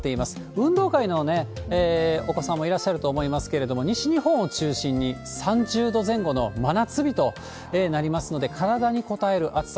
運動会のお子さんもいらっしゃると思いますけれども、西日本を中心に、３０度前後の真夏日となりますので、体にこたえる暑さ。